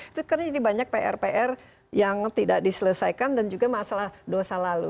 itu karena jadi banyak pr pr yang tidak diselesaikan dan juga masalah dosa lalu